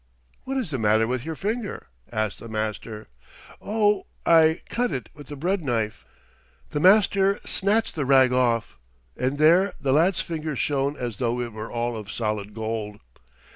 "What is the matter with your finger?" asked the Master. "Oh, I cut it with the bread knife." The Master snatched the rag off, and there the lad's finger shone as though it were all of solid gold.